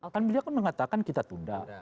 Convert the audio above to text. kan beliau kan mengatakan kita tunda